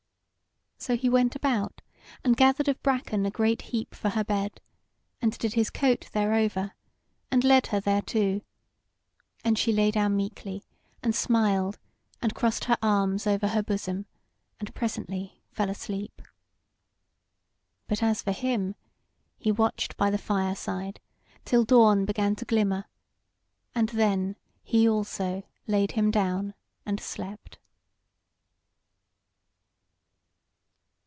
So he went about and gathered of bracken a great heap for her bed, and did his coat thereover, and led her thereto, and she lay down meekly, and smiled and crossed her arms over her bosom, and presently fell asleep. But as for him, he watched by the fire side till dawn began to glimmer, and then he also laid him down and slept.